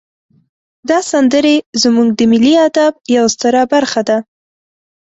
دا سندرې زمونږ د ملی ادب یوه ستره برخه ده.